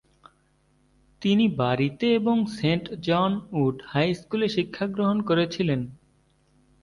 তিনি বাড়িতে এবং সেন্ট জন উড হাই স্কুলে শিক্ষা গ্রহণ করেছিলেন।